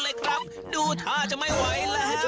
โอ้ยโอ้ยโอ้ย